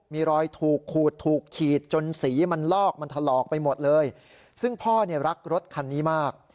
มีรอยถูกขูดถูกขีดจนสีมันลอกมันถลอกไปหมดเลยซึ่งพ่อเนี่ยรักรถคันนี้มาก